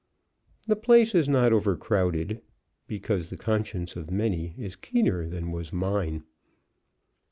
The place is not overcrowded, because the conscience of many is keener than was mine.